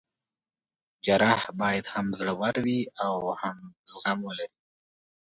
جراح باید هم زړه ور وي او هم زغم ولري.